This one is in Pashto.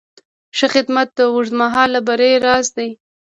ښه خدمت د اوږدمهاله بری راز دی.